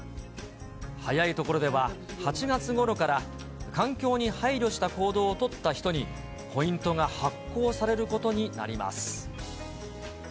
早い所では、８月ごろから、環境に配慮した行動を取った人に、ポイントが発行されることになります。